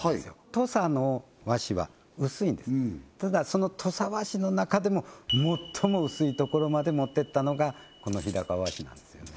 土佐の和紙は薄いんですただその土佐和紙の中でも最も薄いところまで持ってったのがこのひだか和紙なんですよね